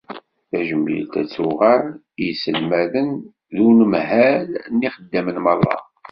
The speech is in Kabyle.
Tajmilt ad tuɣal i yiselmaden d unemhal d yixeddamen merra.